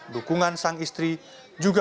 dukungan sang istri juga